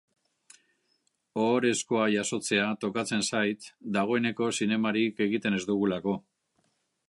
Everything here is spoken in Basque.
Ohorezkoa jasotzea tokatzen zait dagoeneko zinemarik egiten ez dugulako.